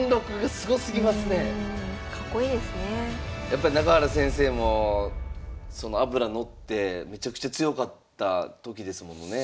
やっぱ中原先生も脂乗ってめちゃくちゃ強かった時ですもんね。